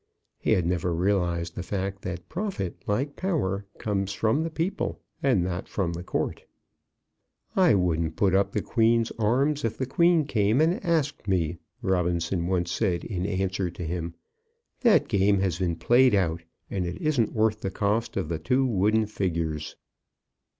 He had never realized the fact that profit, like power, comes from the people, and not from the court. "I wouldn't put up the Queen's arms if the Queen came and asked me," Robinson once said in answer to him. "That game has been played out, and it isn't worth the cost of the two wooden figures."